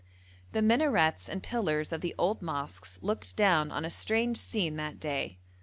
The minarets and pillars of the old mosques looked down on a strange scene that day.